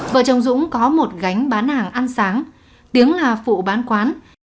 vợ chồng dũng có một gánh bán hàng ăn sáng tiếng là phụ bán quán